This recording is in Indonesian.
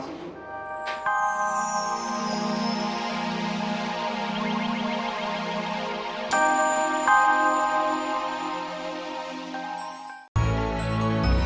terima kasih ibu